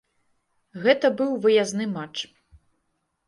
Гэта быў выязны матч.